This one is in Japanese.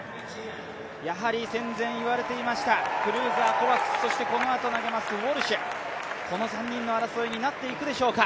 やはり戦前、言われていました、クルーザー、コバクス、そしてこのあと投げますウォルシュ、この３人の争いになっていくでしょうか。